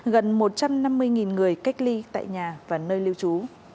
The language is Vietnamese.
gần một trăm năm mươi người cách ly tại nhà và nơi lưu trú